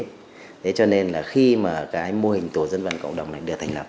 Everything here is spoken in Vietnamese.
thế cho nên là khi mà cái mô hình tổ dân vận cộng đồng này được thành lập